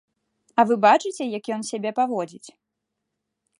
А вы бачыце, як ён сябе паводзіць?